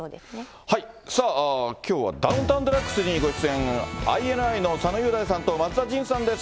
さあ、きょうはダウンタウンＤＸＤＸにご出演、ＩＮＩの佐野雄大さんと松田迅さんです。